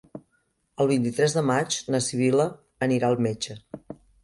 El vint-i-tres de maig na Sibil·la anirà al metge.